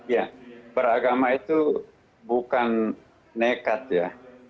ya beragama itu bukan nekat ya